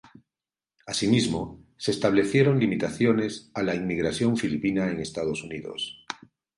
Asimismo, se establecieron limitaciones a la inmigración filipina en Estados Unidos.